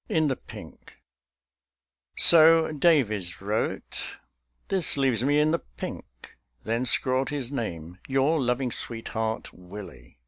IN THE PINK So Davies wrote: "This leaves me in the pink." Then scrawled his name: "Your loving sweetheart, Willie."